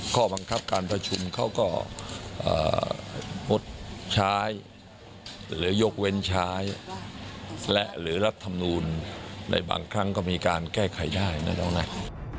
ข้อบังคับการประชุมเขาก็งดใช้หรือยกเว้นใช้และหรือรัฐธรรมนูลในบางครั้งก็มีการแก้ไขได้นะน้องนัท